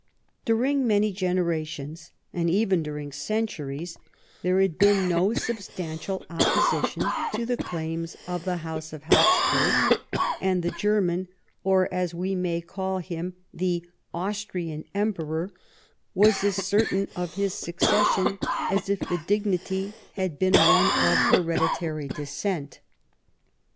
During many genera tions, and even during centuries, there had been no substantial opposition to the claims of the house of Hapsburg, and the German, or, as we may call him, the Austrian emperor was as certain of his succession as if the dignity had been one of hereditary descent.